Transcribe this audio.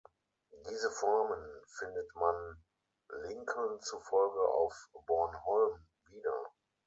Diese Formen findet man Lincoln zufolge auf Bornholm wieder.